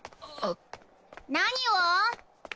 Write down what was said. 何を？